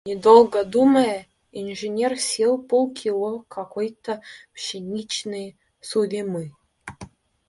Не долго думая, инженер съел пол кило какой-то пшеничной сулемы.